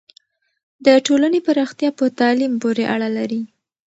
د ټولنې پراختیا په تعلیم پورې اړه لري.